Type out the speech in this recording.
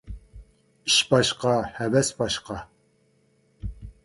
ئىش باشقا، ھەۋەس باشقا.